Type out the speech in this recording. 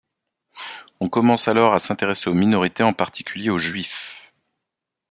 On commence alors à s'intéresser aux minorités en particulier aux Juifs.